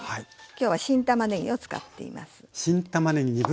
今日は新たまねぎを使っています。